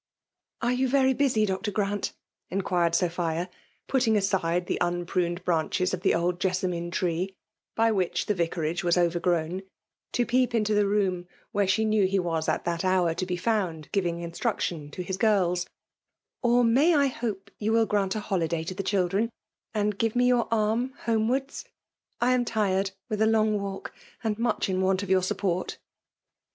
" Are you very busy. Dr. Grant ?" inquired Sophia^ putting aside the unpruned branches of the old jessamine tree, by which the vicar FEMALK DOMINATION. 237 age was overgrown^ to peep into the room where she kni^w he was at that hoiir to be founds giving instruction to his gpbrls; — '^or may I hope you will grant a holiday to the children^ and give me your arm homewards? — I am tired with a long w alk> and much in want of your support."